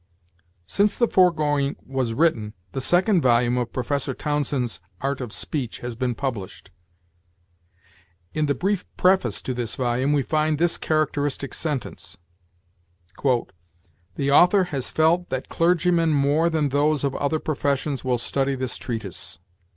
Since the foregoing was written, the second volume of Professor Townsend's "Art of Speech" has been published. In the brief preface to this volume we find this characteristic sentence: "The author has felt that clergymen more than those of other professions will study this treatise."